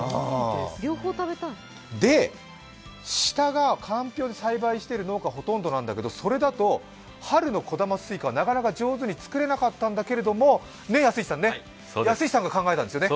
で、下がかんぴょうで栽培している農家がほとんどなんだけどそれだと、春の小玉すいかなかなか上手に作れなかったんだけど安一さんが考えたんだよね。